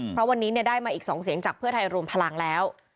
เพราะวันนี้ได้มาอีก๒เสียงจากเพื่อไทยรวมพลังแล้ว